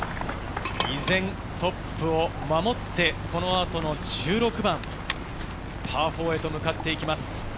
依然、トップを守ってこの後の１６番、パー４へと向かっていきます。